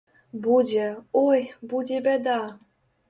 Будзе, ой, будзе бяда!